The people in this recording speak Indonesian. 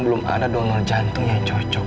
belum ada donor jantung yang cocok